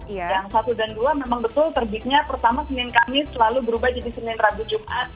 yang satu dan dua memang betul terbitnya pertama senin kamis selalu berubah jadi senin rabu jumat